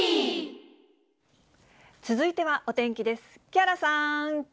続いてはお天気です。